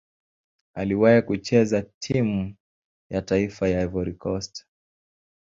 Aliwahi kucheza timu ya taifa ya Cote d'Ivoire.